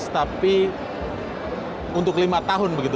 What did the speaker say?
tapi untuk lima tahun begitu